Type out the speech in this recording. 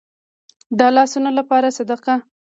د لاسونو لپاره صدقه.